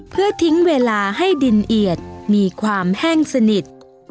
เพื่อทิ้งเวลาให้ดินเอียดมีความแห้งสนิท